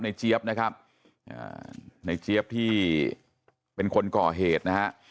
เจี๊ยบนะครับในเจี๊ยบที่เป็นคนก่อเหตุนะฮะ